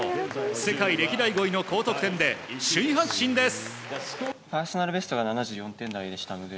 世界歴代５位の高得点で首位発進です。